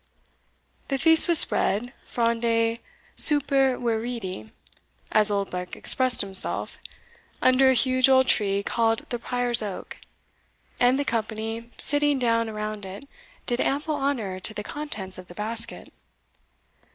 The feast was spread fronde super viridi, as Oldbuck expressed himself, under a huge old tree called the Prior's Oak, and the company, sitting down around it, did ample honour to the contents of the basket.